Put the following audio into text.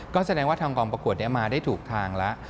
ก็แสดงว่าทางกองประกวดนี้มาได้ถูกทางแล้ว